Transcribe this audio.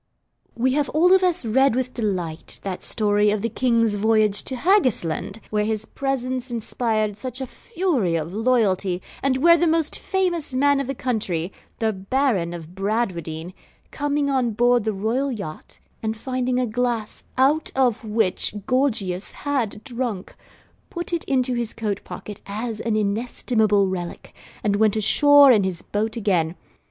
We have all of us read with delight that story of the King's voyage to Haggisland, where his presence inspired such a fury of loyalty and where the most famous man of the country the Baron of Bradwardine coming on board the royal yacht, and finding a glass out of which Gorgius had drunk, put it into his coatpocket as an inestimable relic, and went ashore in his boat again.